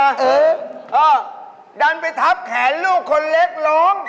เออก็ดันไปทับแขนลูกคนเล็กร้อง